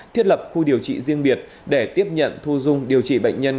thiết lập khu điều trị riêng biệt để tiếp nhận thu dung điều trị bệnh nhân